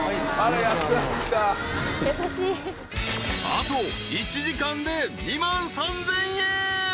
［あと１時間で２万３，０００円。